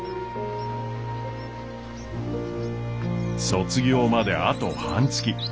卒業まであと半月。